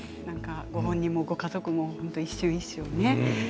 ご本人にもご家族も一瞬一瞬ね。